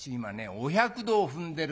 お百度を踏んでるんだよ。